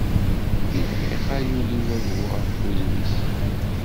Deg dqiqa yuli wagu ɣef wudem-is.